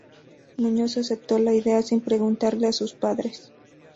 Muñoz aceptó la idea sin preguntarle a sus padres.